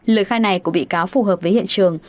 lời khai này của bị cáo phù hợp với hiện trường